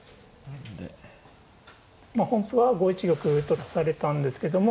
本譜は５一玉と指されたんですけども。